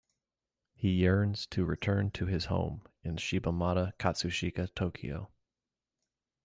He yearns to return to his home in Shibamata, Katsushika, Tokyo.